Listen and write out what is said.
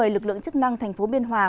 lực lượng chức năng thành phố biên hòa